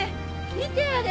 見てあれ！